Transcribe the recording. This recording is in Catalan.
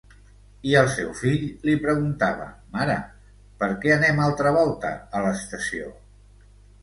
I el seu fill li preguntava: mare, per què anem altra volta a l’estació?